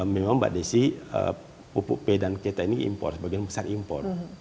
memang mbak desi pupuk p dan kita ini impor sebagian besar impor